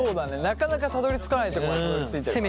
なかなかたどりつかないとこまでたどりついてるからね。